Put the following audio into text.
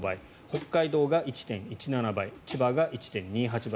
北海道が１．１７倍千葉が１．２８倍。